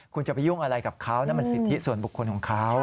คุณจะไปยุ่งอะไรกับเขานั่นมันสิทธิส่วนบุคคลของเขา